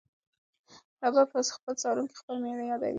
رابعه په صالون کې خپله مېړه یادوي.